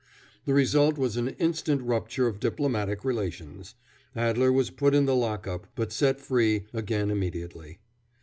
The result was an instant rupture of diplomatic relations. Adler was put in the lock up, but set fiee again immediately.